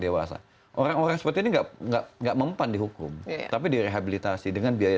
dewasa orang orang seperti ini enggak enggak enggak mempan dihukum tapi direhabilitasi dengan biaya